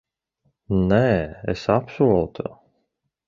Nē, es apsolu tev.